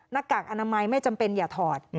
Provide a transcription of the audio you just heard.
กากอนามัยไม่จำเป็นอย่าถอด